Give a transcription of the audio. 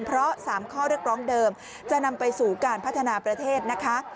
เพราะ๓ข้อเรียกร้องเดิมจะนำไปสู่การพัฒนาประเทศนะคะ